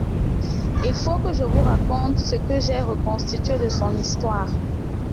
Il faut que je vous raconte ce que j’ai reconstitué de son histoire.